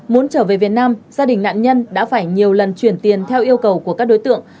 muốn trở về việt nam gia đình nạn nhân đã phải nhiều lần chuyển tiền theo yêu cầu của các đối tượng